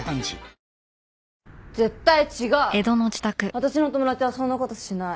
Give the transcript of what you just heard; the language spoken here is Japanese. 私の友達はそんな事しない。